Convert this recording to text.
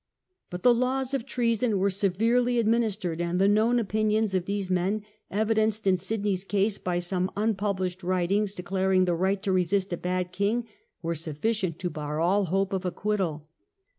But the laws of treason were severely administered, and the known opinions of these men, evi denced in Sydney's case by some unpublished writings declaring the right to resist a bad king, were sufficient to bar all hope of acquittal.